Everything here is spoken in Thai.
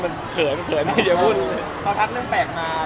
เป็นเรื่องแบบแต่เราก็ไม่รู้มีไปค้นทักแบบนี้ไง